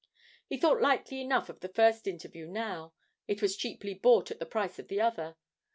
He thought lightly enough of the first interview now; it was cheaply bought at the price of the other.